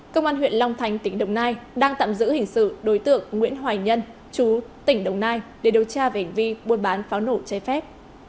công an huyện long thành tỉnh đồng nai đang tạm giữ hình sự đối tượng nguyễn hoài nhân chú tỉnh đồng nai để điều tra về hành vi buôn bán pháo nổ chai phép